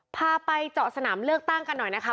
พาไปเจาะสนามเลือกตั้งกันหน่อยนะคะ